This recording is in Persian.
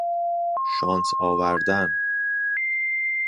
شانس آوردن